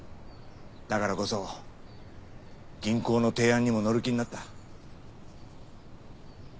だからこそ銀行の提案にも乗る気になった。